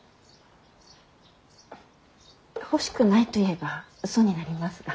欲しくないと言えば嘘になりますが。